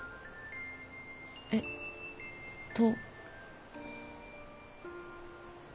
えっと。